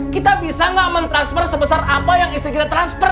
kita bisa nggak mentransfer sebesar apa yang istri kita transfer